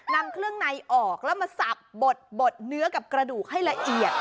นำเครื่องในออกแล้วมาสับบดเนื้อกับกระดูกให้ละเอียด